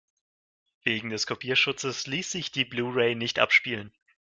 Wegen des Kopierschutzes ließ sich die Blu-ray nicht abspielen.